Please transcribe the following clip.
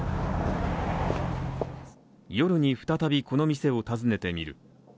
夜に再びこの店を訪ねてみる。